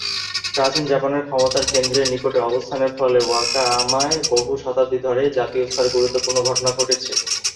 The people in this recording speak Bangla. প্রাচীন জাপানের ক্ষমতার কেন্দ্রের নিকটে অবস্থানের ফলে ওয়াকায়ামায় বহু শতাব্দী ধরে জাতীয় স্তরে গুরুত্বপূর্ণ ঘটনা ঘটেছে।